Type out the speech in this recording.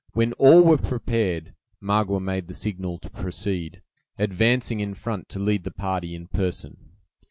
When all were prepared, Magua made the signal to proceed, advancing in front to lead the party in person.